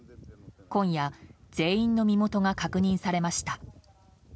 今夜、全員の身元が確認されました。